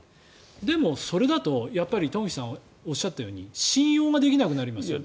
でも、それだとやっぱり東輝さんがおっしゃったように信用ができなくなりますよね。